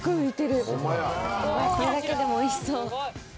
これだけでもおいしそう。